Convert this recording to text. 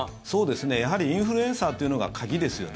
やはりインフルエンサーというのが鍵ですよね。